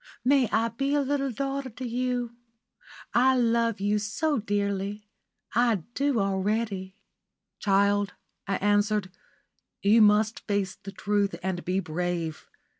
May I be a little daughter to you? I will love you so dearly. I do already." "Child," I answered, "you must face the truth and be brave.